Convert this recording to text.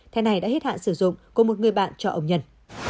thẻ này đã hết hạn sử dụng của một người bạn cho ông nhân